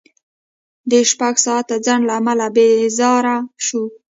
د شپږ ساعته ځنډ له امله بېزاره شوو.